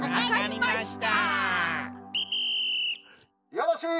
よろしい！